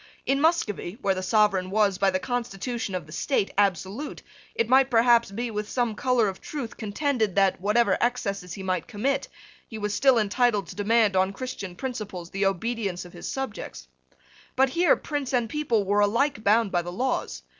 In Muscovy, where the sovereign was, by the constitution of the state, absolute, it might perhaps be, with some colour of truth, contended that, whatever excesses he might commit, he was still entitled to demand, on Christian principles, the obedience of his subjects. But here prince and people were alike bound by the laws.